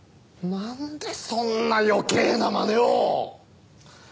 なんでそんな余計なまねを！